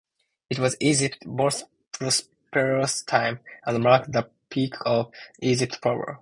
It was Egypt's most prosperous time and marked the peak of Egypt's power.